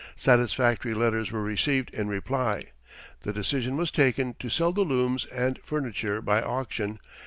Satisfactory letters were received in reply. The decision was taken to sell the looms and furniture by auction.